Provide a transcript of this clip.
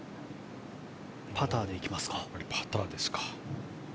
パターで行きます。